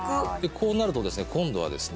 こうなると今度はですね